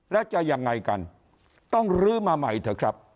แล้วจะยังไงกันต้องลื้อมาใหม่เถอะครับ